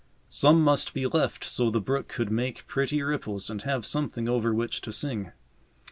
Some must be left so the brook could make pretty ripples and have something over which to sing.